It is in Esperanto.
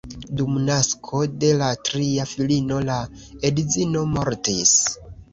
Dum nasko de la tria filino la edzino mortis.